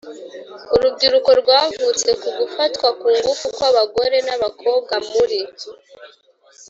Urubyiruko rwavutse ku gufatwa ku ngufu kw’ abagore n’ abakobwa muri